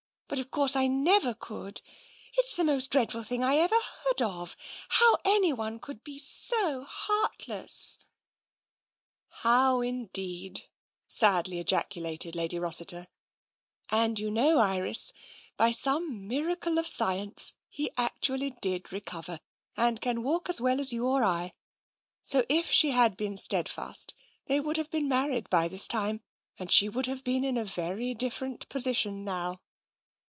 But of course I never could. It's the most dreadful thing I ever heard of — how any one could be so heartless !"" How indeed !" sadly ejaculated Lady Rossiter. " And you know, Iris, by some miracle of science, he actually did recover, and can walk as well as you or I. So if she had been steadfast, they would have been married by this time, and she would have been in a very different position now."